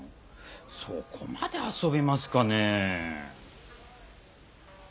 そこまで遊びますかね？